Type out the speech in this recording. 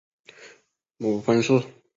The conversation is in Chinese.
母潘氏。